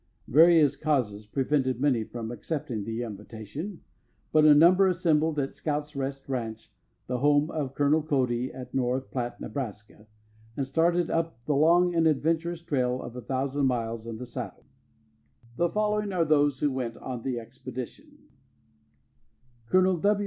Various causes prevented many from accepting the invitation, but a number assembled at Scout's Rest Ranch, the home of Colonel Cody at North Platte, Neb., and started upon the long and adventurous trail of a thousand miles in the saddle. The following are those who went on the expedition: Col.